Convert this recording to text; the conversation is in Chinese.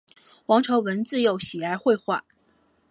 王朝闻自幼喜爱绘画。